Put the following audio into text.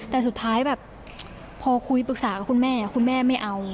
แต่สุดท้ายแบบพอคุยปรึกษากับคุณแม่คุณแม่ไม่เอา